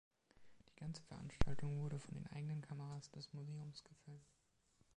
Die ganze Veranstaltung wurde von den eigenen Kameras des Museums gefilmt.